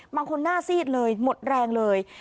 บางคนหน้าซีดเลยหมดแรงเลย